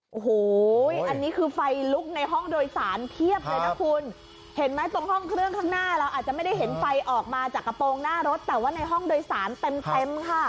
โอ้โหอันนี้คือไฟลุกในห้องโดยสารเพียบเลยนะคุณเห็นไหมตรงห้องเครื่องข้างหน้าเราอาจจะไม่ได้เห็นไฟออกมาจากกระโปรงหน้ารถแต่ว่าในห้องโดยสารเต็มเต็มค่ะ